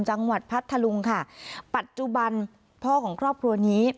พัทธลุงค่ะปัจจุบันพ่อของครอบครัวนี้